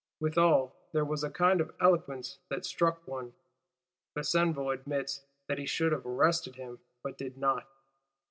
"Withal there was a kind of eloquence that struck one." Besenval admits that he should have arrested him, but did not.